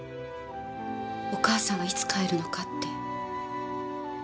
お母さんはいつ帰るのかって。